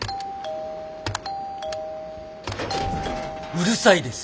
うるさいです。